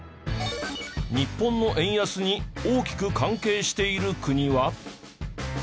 日本の円安に大きく関係している国は？